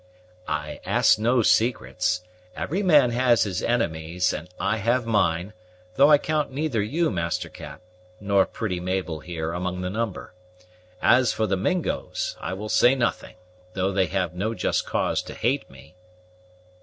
"I ask no secrets. Every man has his enemies, and I have mine, though I count neither you, Master Cap, nor pretty Mabel here among the number. As for the Mingos, I will say nothing, though they have no just cause to hate me."